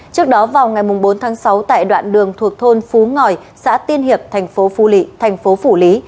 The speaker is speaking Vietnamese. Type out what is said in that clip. trước đó vào ngày bốn tháng sáu tại đoạn đường thuộc thôn phú ngòi xã tiên hiệp tp phủ lý